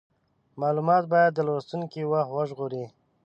مالومات باید د لوستونکي وخت وژغوري.